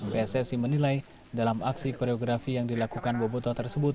pssi menilai dalam aksi koreografi yang dilakukan boboto tersebut